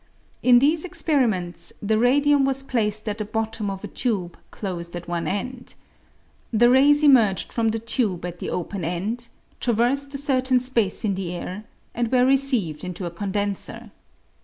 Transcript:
In these experiments the radium was placed at the bottom of a tube closed at one end. The rays emerged from the tube at the open end, traversed a certain space in the air, and were received into a condenser.